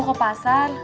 nek mau ke pasar